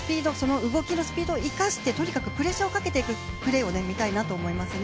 スピードを生かして、とにかくプレッシャーをかけていく試合見たいなと思いますね。